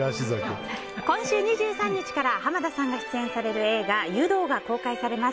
今週２３日から濱田さんが出演される映画「湯道」が公開されます。